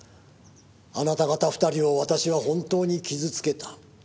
「あなた方２人を私は本当に傷つけた」